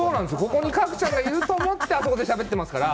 ここに角ちゃんがいると思ってあそこでしゃべってますから。